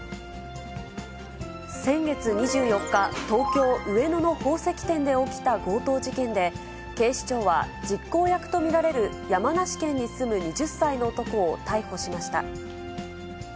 先月２４日、東京・上野の宝石店で起きた強盗事件で、警視庁は実行役と見られる山梨県に住む２０歳の男を逮捕しました。